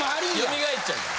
よみがえっちゃう。